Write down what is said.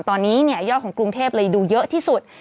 ตอนนี้ยอดของกรุงเทพเลยดูเยอะที่สุด